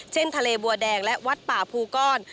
ทะเลบัวแดงและวัดป่าภูก้อน